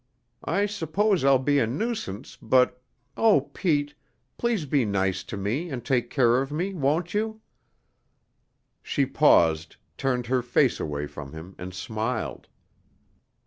I suppose I'll be a nuisance, but Oh, Pete, please be nice to me and take care of me, won't you?" She paused, turned her face away from him and smiled.